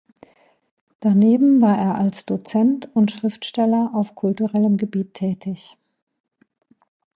Daneben war er als Dozent und Schriftsteller auf kulturellem Gebiet tätig.